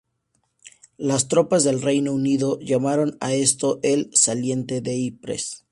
Las tropas del Reino Unido llamaron a esto el "Saliente de Ypres".